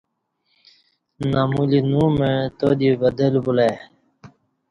نمولینو مع تادی تدبُلہ بُلہ ای